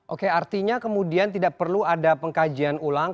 oke artinya kemudian tidak perlu ada pengkajian ulang